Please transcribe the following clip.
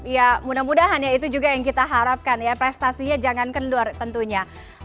ya mudah mudahan ya itu juga yang kita harapkan ya prestasinya jangan kendor tentunya